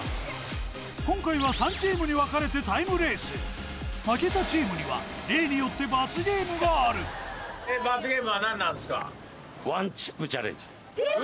今回は３チームに分かれてタイムレース負けたチームには例によって罰ゲームがある出た！